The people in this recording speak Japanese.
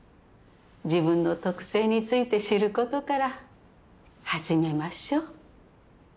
自分の特性について知ることから始めましょう。